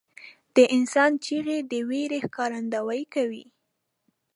• د انسان چیغې د وېرې ښکارندویي کوي.